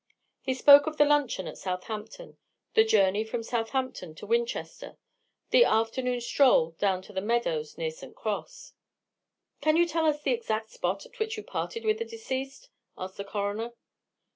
He spoke of the luncheon at Southampton, the journey from Southampton to Winchester, the afternoon stroll down to the meadows near St. Cross. "Can you tell us the exact spot at which you parted with the deceased?" asked the coroner.